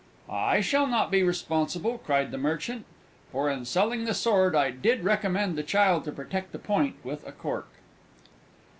"I shall not be responsible," cried the Merchant, "for, in selling the sword, I did recommend the child to protect the point with a cork!"